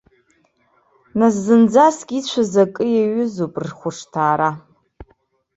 Нас зынӡаск ицәаз акы иаҩызоуп рхәышҭаара.